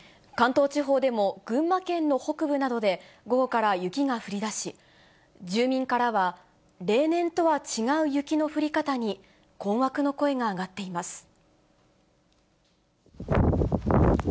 関東地方でも群馬県の北部などで午後から雪が降りだし、住民からは例年とは違う雪の降り方に困惑の声が上がっています。